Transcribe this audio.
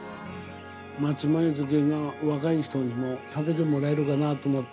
松前漬けが若い人にも食べてもらえるかなと思って。